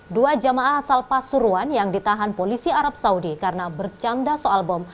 dua jamaah asal pasuruan yang ditahan polisi arab saudi karena bercanda soal bom